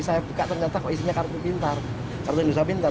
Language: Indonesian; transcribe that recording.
saya buka ternyata kok isinya kartu pintar kartu indonesia pintar